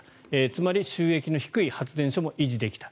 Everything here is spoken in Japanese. つまり収益の低い発電所も維持できた。